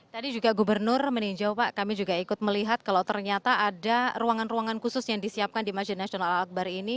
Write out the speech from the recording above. tadi juga gubernur meninjau pak kami juga ikut melihat kalau ternyata ada ruangan ruangan khusus yang disiapkan di masjid nasional al akbar ini